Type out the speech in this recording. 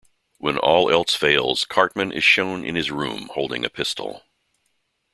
When all else fails, Cartman is shown in his room holding a pistol.